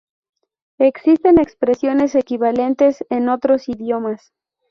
Existen expresiones equivalentes en otros idiomas.